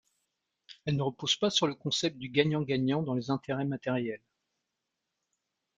Elle ne repose pas sur le concept du gagnant-gagnant dans les intérêts matériels.